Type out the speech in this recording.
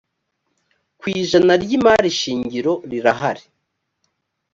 ku ijana ry imari shingiro rirahari